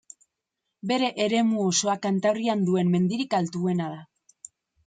Bere eremu osoa Kantabrian duen mendirik altuena da.